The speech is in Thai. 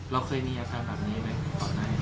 เราเคยมีอาทารณ์แบบนี้ไหมตอนนั้น